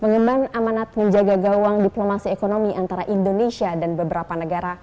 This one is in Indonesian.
mengemban amanat menjaga gawang diplomasi ekonomi antara indonesia dan beberapa negara